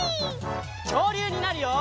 きょうりゅうになるよ！